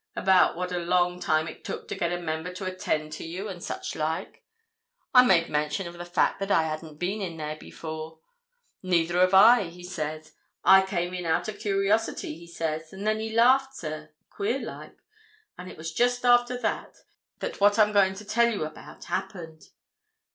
About what a long time it took to get a member to attend to you, and such like. I made mention of the fact that I hadn't been in there before. 'Neither have I!' he says, 'I came in out of curiosity,' he says, and then he laughed, sir—queer like. And it was just after that that what I'm going to tell you about happened."